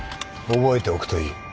覚えておくといい。